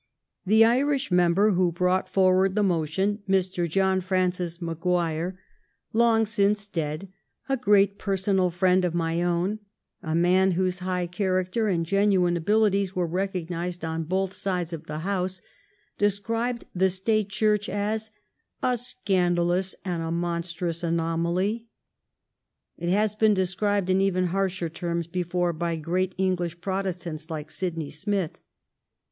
The Irish member who brought forward the motion, Mr. John Francis Maguire, long since 266 IRISH STATE CHURCH AND LAND TENURE 267 dead, a great personal friend of my own, a man whose high character and genuine abilities were recognized on both sides of the House, described the State Church as "a scandalous and a monstrous anomaly." It had been described in even harsher terms before by great English Protestants like Sydney Smith.